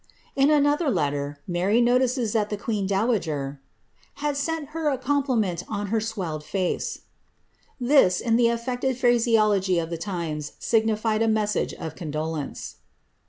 ^^ In another letter, Mary notices that the queen dowager ^^ had sent her a compliment on her swelled hct,^ This, in the affected phraseology of the times, signified a message flf condolence.